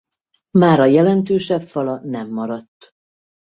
Mára jelentősebb fala nem maradt.